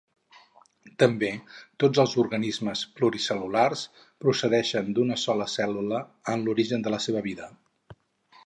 També tots els organismes pluricel·lulars procedeixen d'una sola cèl·lula en l'origen de la seva vida.